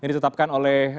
ini ditetapkan oleh satgas com